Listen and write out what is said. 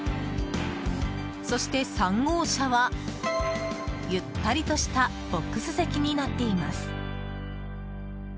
そして３号車は、ゆったりとしたボックス席になっています。